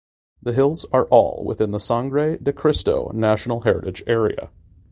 The Hills are all within the Sangre de Cristo National Heritage Area.